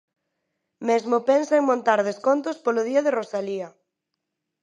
Mesmo pensa en montar descontos polo Día de Rosalía.